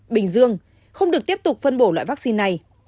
bình dương không được tiếp tục phân bổ loại vaccine này